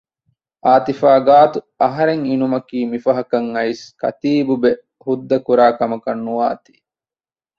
އާތިފާ ގާތު އަހަރެން އިނުމީ މި ފަހަކަށް އައިސް ކަތީބުބެ ހުއްދަކުރާ ކަމަކަށް ނުވާތީ